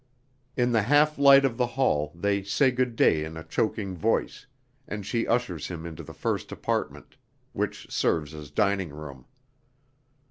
In the half light of the hall they say good day in a choking voice, and she ushers him into the first apartment which serves as dining room.